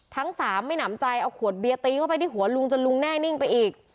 ทั้งสามไม่หนำใจเอาขวดเบียร์ตีเข้าไปที่หัวลุงจนลุงแน่นิ่งไปอีก